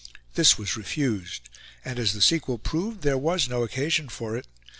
This was refused; and as the sequel proved, there was no occasion for it.